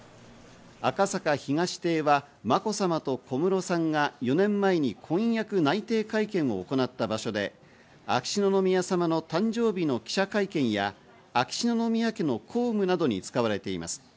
赤坂東邸はまこさまと小室さんが４年前に婚約内定会見を行った場所で、秋篠宮さまの誕生日の記者会見や秋篠宮家の公務などに使われています。